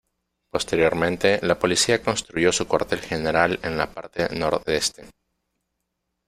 Posteriormente, la policía construyó su cuartel general en la parte nordeste.